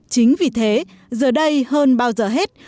chính vì thế giờ đây hơn bao giờ hết